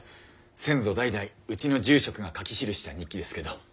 先祖代々うちの住職が書き記した日記ですけど。